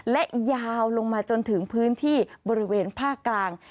และยาวลงมาจนถึงพื้นที่บริเวณภาคกลาง